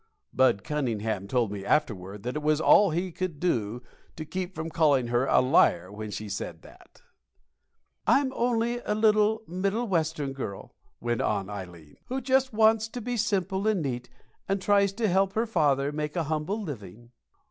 (Bud Cunningham told me afterward that it was all he could do to keep from calling her a liar when she said that.) "I'm only a little Middle Western girl," went on Ileen, "who just wants to be simple and neat, and tries to help her father make a humble living."